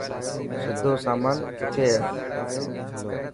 سيدو سامان ڪٿي هي.